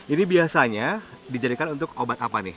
ini biasanya dijadikan untuk obat apa nih